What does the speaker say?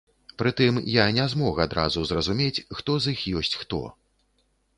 Пры тым, я не змог адразу зразумець, хто з іх ёсць хто.